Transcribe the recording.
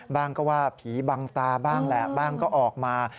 บ้างก็ว่าผีบังตาบ้างแหละบ้างก็ออกมา